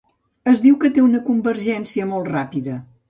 Es diu que té una convergència molt ràpida.